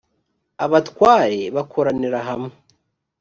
abatware bakoranira hamwe